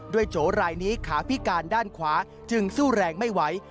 โจรายนี้ขาพิการด้านขวาจึงสู้แรงไม่ไหว